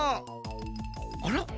あら？